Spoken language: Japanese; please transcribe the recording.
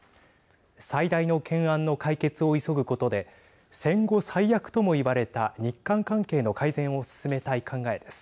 最大の懸案の解決を急ぐことで戦後最悪とも言われた日韓関係の改善を進めたい考えです。